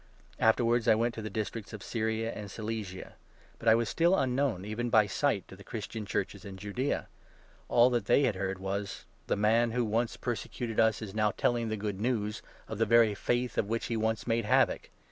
Afterwards I went to the districts of Syria and 21 Cilicia. But I was still unknown even by sight to the Christian 22 Churches in Judaea; all that they had heard was — 'Themanwho 23 once persecuted us is now telling the Good News of the very Faith of which he once made havoc.'